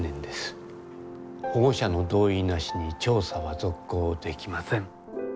保護者の同意なしに調査は続行できません。